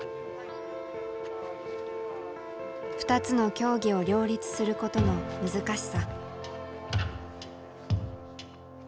２つの競技を両立することの難しさ。